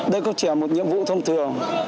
đây không chỉ là một nhiệm vụ thông thường